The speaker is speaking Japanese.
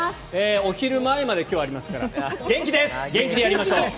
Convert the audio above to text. お昼前まで今日はありますから元気でやりましょう。